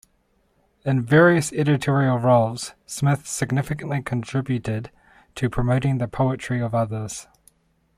In various editorial roles, Smith significantly contributed to promoting the poetry of others.